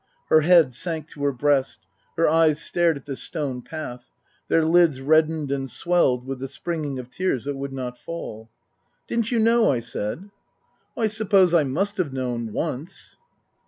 Her head sank to her breast ; her eyes stared at the stone path ; their lids reddened and swelled with the springing of tears that would not fall. " Didn't you know ?" I said. " I suppose I must have known once."